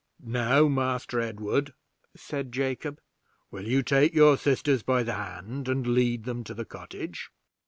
"Now, Master Edward," said Jacob, "will you take your sisters by the hand and lead them to the cottage?